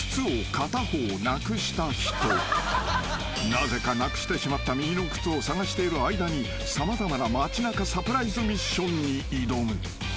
［なぜかなくしてしまった右の靴を捜している間に様々な街なかサプライズミッションに挑む］